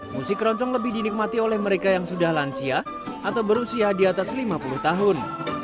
musik keroncong lebih dinikmati oleh mereka yang sudah lansia atau berusia di atas lima puluh tahun